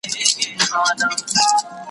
د چینجیو په څېر یو په بل لګېږي